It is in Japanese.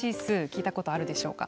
聞いたことあるでしょうか。